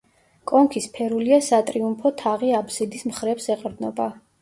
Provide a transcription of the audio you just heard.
კონქი სფერულია სატრიუმფო თაღი აბსიდის მხრებს ეყრდნობა.